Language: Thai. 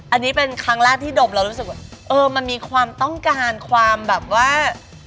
อันนี้เป็นครั้งแรกที่ดมแล้วรู้สึกว่าเออมันมีความต้องการความแบบว่า